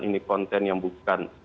ini konten yang bukan